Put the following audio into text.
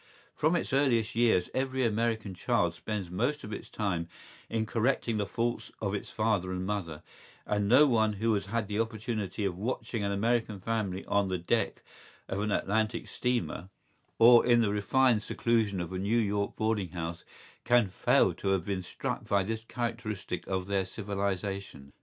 ¬Ý From its earliest years every American child spends most of its time in correcting the faults of its father and mother; and no one who has had the opportunity of watching an American family on the deck of an Atlantic steamer, or in the refined seclusion of a New York boarding house, can fail to have been struck by this characteristic of their civilization.